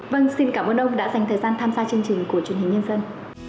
vâng xin cảm ơn ông đã dành thời gian tham gia chương trình của truyền hình nhân dân